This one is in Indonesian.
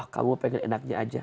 kamu pengen enaknya aja